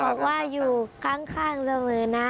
บอกว่าอยู่ข้างเสมอนะ